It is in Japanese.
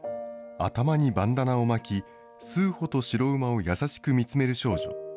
頭にバンダナを巻き、スーホと白馬を優しく見つめる少女。